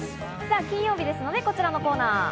金曜日ですので、こちらのコーナー。